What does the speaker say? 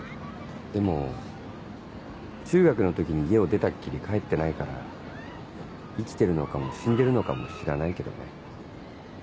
でも中学の時に家を出たっきり帰ってないから生きてるのかも死んでるのかも知らないけどね。